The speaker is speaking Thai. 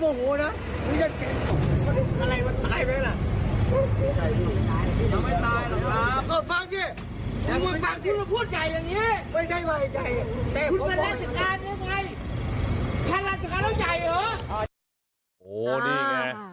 โอ้โหดีไง